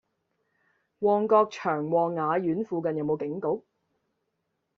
旺角長旺雅苑附近有無警局？